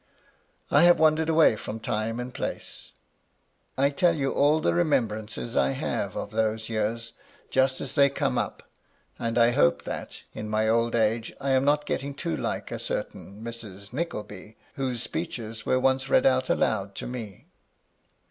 I have wandered away from time and place. I tell you all the remembrances I have of those years just as they come up, and I hope that, in my old age, I am not getting too like a certain Mrs. Nickleby, whose speeches were once read out aloud to me.